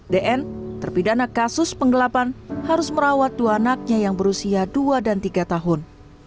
dn terpidana kasus penggelapan harus merawat dua anaknya yang berusia dua dan tiga tahun